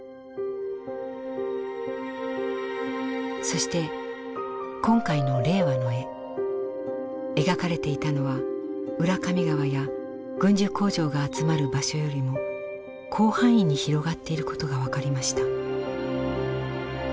そして今回の令和の絵描かれていたのは浦上川や軍需工場が集まる場所よりも広範囲に広がっていることが分かりました。